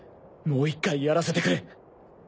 もう１回やらせてくれ。